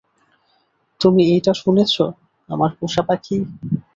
তুমি এইটা শুনেছ, আমার পোষা পাখি?